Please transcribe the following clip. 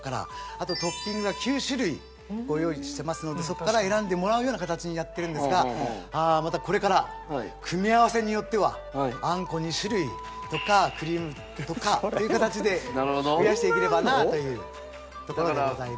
あとトッピングが９種類ご用意してますのでそこから選んでもらうような形にやってるんですがまたこれから組み合わせによってはあんこ２種類とかクリームとかっていう形で増やしていければなという事でございます。